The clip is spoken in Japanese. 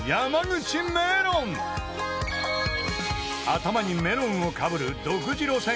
［頭にメロンをかぶる］